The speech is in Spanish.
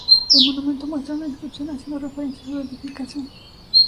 El monumento muestra una inscripción haciendo referencia a su dedicación.